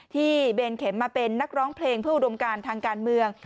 เบนเข็มมาเป็นนักร้องเพลงเพื่ออุดมการทางการเมือง